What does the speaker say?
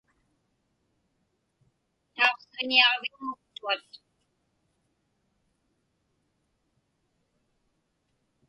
Tauqsiġñiaġviŋmuktuat.